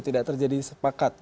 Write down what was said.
tidak terjadi sepakat